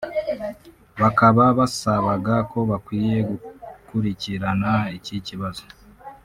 bakaba basabaga ko bakwiye gukurikirana iki kibazo